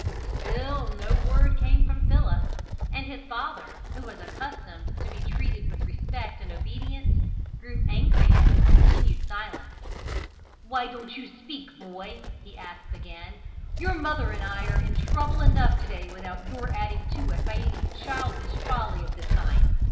Still no word came from Philip, and his father, who was accustomed to be treated with respect and obedience, grew angry at his continued silence. "Why don't you speak, boy?" he asked again. "Your mother and I are in trouble enough to day without your adding to it by any childish folly of this kind.